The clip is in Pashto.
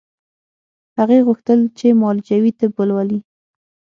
هغې غوښتل چې معالجوي طب ولولي